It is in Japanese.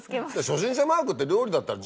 初心者マークって料理だったら。